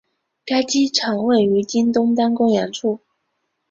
该机场位于今东单公园处。